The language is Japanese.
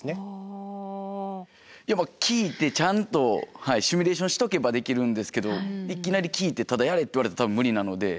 やっぱ聞いてちゃんとシミュレーションしとけばできるんですけどいきなり聞いてただやれって言われたら多分無理なので。